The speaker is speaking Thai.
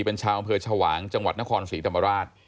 เป็นชาวอำเภอชวางจังหวัดนครศรีธรรมราช